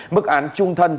mức án trung thân